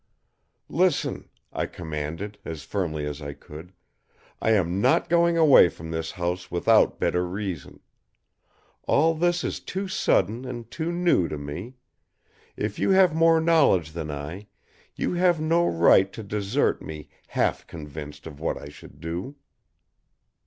"Listen," I commanded, as firmly as I could. "I am not going away from this house without better reason. All this is too sudden and too new to me. If you have more knowledge than I, you have no right to desert me half convinced of what I should do."